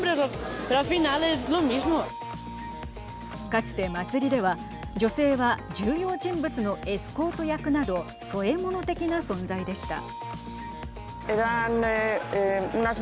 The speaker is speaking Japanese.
かつて、祭りでは女性は、重要人物のエスコート役など添え物的な存在でした。